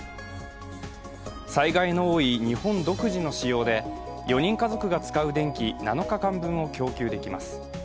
災害の多い日本独自の仕様で４人家族が使う電気、７日間分を供給できます。